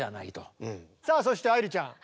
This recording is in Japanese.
さあそして愛理ちゃん